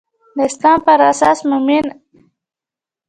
د اسلام پر اساس مومن ارجحیت لري.